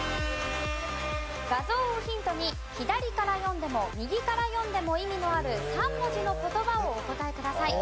画像をヒントに左から読んでも右から読んでも意味のある３文字の言葉をお答えください。